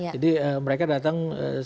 jadi mereka datang